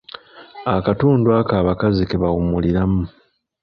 Akatundu ako abakazi ke bawummuliramu.